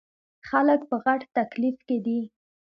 خلک په غټ تکليف کښې دے ـ